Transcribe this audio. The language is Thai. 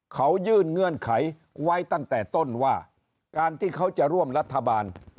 เขายื่นเงื่อนไขไว้ตั้งแต่ต้นว่าการที่เขาจะร่วมรัฐบาล